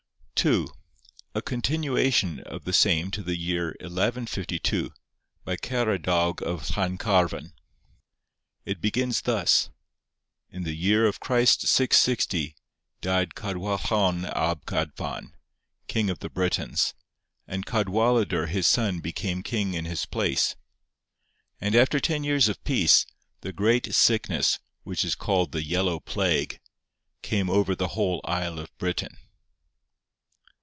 A continuation of the same to the year 1152, by Caradawg of Llancarvan. It begins thus: "In the year of Christ 660, died Cadwallawn ab Cadfan, King of the Britons, and Cadwaladr his son became king in his place; and, after ten years of peace, the great sickness, which is called the Yellow Plague, came over the whole isle of Britain."